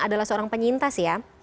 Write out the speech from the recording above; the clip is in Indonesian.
adalah seorang penyintas ya